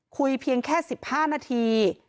เพียงแค่๑๕นาที